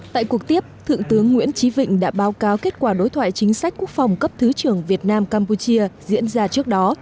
tại cuộc tiếp thượng tướng nguyễn trí vịnh đã báo cáo kết quả đối thoại chính sách quốc phòng cấp thứ trưởng việt nam campuchia diễn ra trước đó